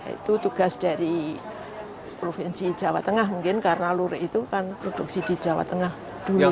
itu tugas dari provinsi jawa tengah mungkin karena lurik itu kan produksi di jawa tengah dulu